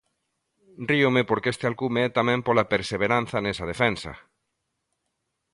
Ríome porque este alcume é tamén pola perseveranza nesa defensa.